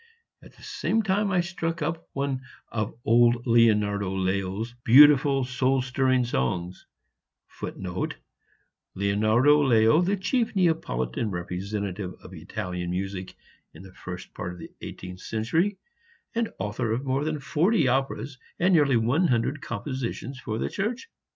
At the same time I struck up one of old Leonardo Leo's [Footnote: Leonardo Leo, the chief Neapolitan representative of Italian music in the first part of the eighteenth century, and author of more than forty operas and nearly one hundred compositions for the Church.